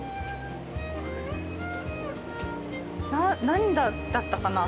何だったかな？